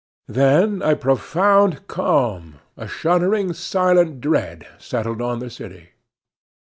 Then a profound calm, a shuddering, silent dread, settled on the city.